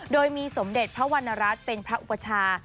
โดยมีสมเด็จพระวรรณรัฐเป็นพระอุปชา